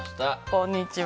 こんにちは。